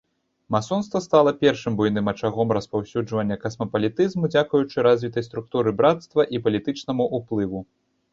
Масонства стала першым буйным ачагом распаўсюджання касмапалітызму дзякуючы развітай структуры брацтва і палітычнаму ўплыву.